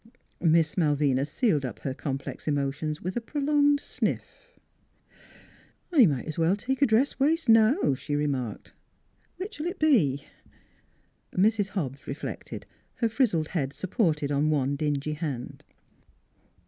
Miss Malvina sealed up her complex emotions with a prolonged sniff. 3 8 NEIGHBORS " I might 's well take a dress waist now," she remarked. " Which '11 it be? " Mrs. Hobbs reflected, her frizzled head sup ported on one dingy hand.